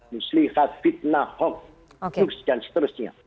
muslihat fitnah hukum dan seterusnya